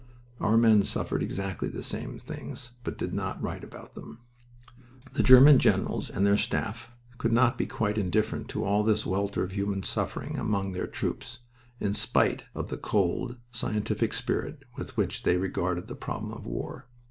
Our men suffered exactly the same things, but did not write about them. The German generals and their staffs could not be quite indifferent to all this welter of human suffering among their troops, in spite of the cold, scientific spirit with which they regarded the problem of war.